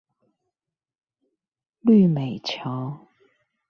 綠美橋